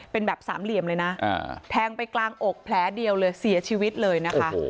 เป็นแบบสามเหลี่ยมเลยนะแทงไปกลางอกแผลเดียวเลยเสียชีวิตเลยนะคะ